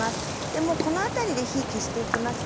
もうこの辺りで火消していきますね。